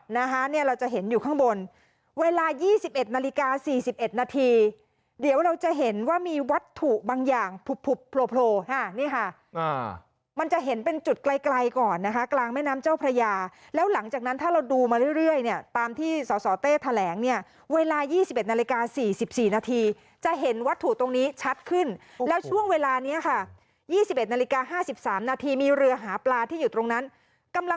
นะคะเนี่ยเราจะเห็นอยู่ข้างบนเวลา๒๑นาฬิกา๔๑นาทีเดี๋ยวเราจะเห็นว่ามีวัตถุบางอย่างผุบโผล่นี่ค่ะมันจะเห็นเป็นจุดไกลก่อนนะคะกลางแม่น้ำเจ้าพระยาแล้วหลังจากนั้นถ้าเราดูมาเรื่อยเนี่ยตามที่สสเต้แถลงเนี่ยเวลา๒๑นาฬิกา๔๔นาทีจะเห็นวัตถุตรงนี้ชัดขึ้นแล้วช่วงเวลานี้ค่ะ๒๑นาฬิกา๕๓นาทีมีเรือหาปลาที่อยู่ตรงนั้นกำลัง